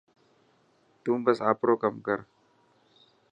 تون بس آپرو ڪم ڪر.